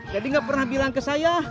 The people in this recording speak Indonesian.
jadi gak pernah bilang ke saya